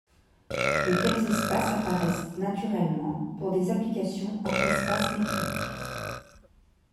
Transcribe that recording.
De tels espaces apparaissent naturellement pour des applications entre espaces métriques.